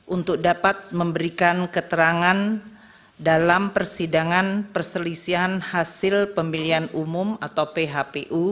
untuk dapat memberikan keterangan dalam persidangan perselisihan hasil pemilihan umum atau phpu